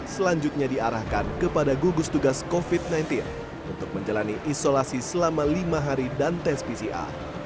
selanjutnya diarahkan kepada gugus tugas covid sembilan belas untuk menjalani isolasi selama lima hari dan tes pcr